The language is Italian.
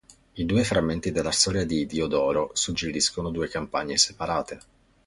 I due frammenti della storia di Diodoro suggeriscono due campagne separate.